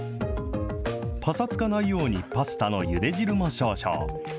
ぱさつかないように、パスタのゆで汁も少々。